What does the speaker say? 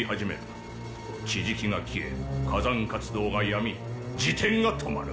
地磁気が消え火山活動がやみ自転が止まる。